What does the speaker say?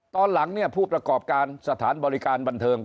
ตอนหลังเนี่ยผู้ประกอบการสถานบริการบันเทิง